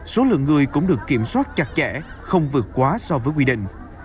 số lượng người cũng được kiểm soát chặt chẽ không vượt quá so với quy định